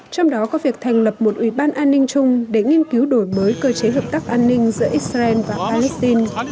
trong đó có việc thành lập một ủy ban an ninh chung để nghiên cứu đổi mới cơ chế hợp tác an ninh giữa israel và palestine